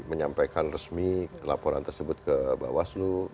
menyampaikan resmi laporan tersebut ke bawaslu